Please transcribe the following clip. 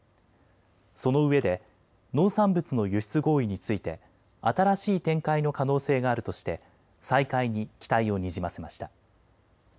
そのうえで農産物の輸出合意について新しい展開の可能性があるとして再開に期待をにじませました。